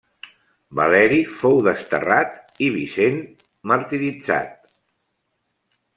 Valeri fou desterrat i Vicent martiritzat.